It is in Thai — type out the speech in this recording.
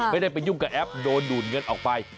ไม่ได้ไปยุ่งกับแอปโดนดูดเงินออกไป